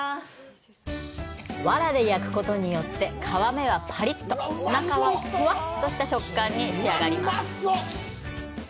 藁で焼くことによって皮目はパリッと、中はフワッとした食感に仕上がります。